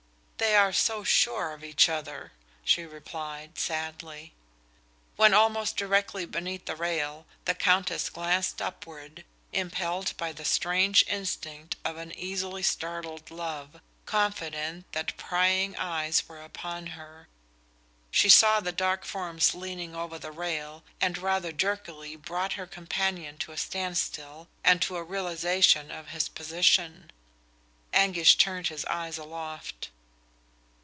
"They are so sure of each other," she replied, sadly. When almost directly beneath the rail, the Countess glanced upward, impelled by the strange instinct of an easily startled love, confident that prying eyes were upon her. She saw the dark forms leaning over the rail and rather jerkily brought her companion to a standstill and to a realization of his position. Anguish turned his eyes aloft.